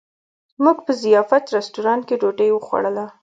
موږ په ضیافت رسټورانټ کې ډوډۍ وخوړله.